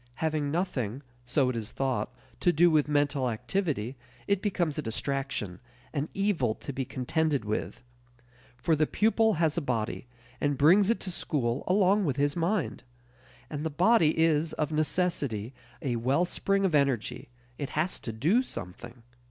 Having nothing, so it is thought, to do with mental activity, it becomes a distraction, an evil to be contended with. For the pupil has a body, and brings it to school along with his mind. And the body is, of necessity, a wellspring of energy; it has to do something.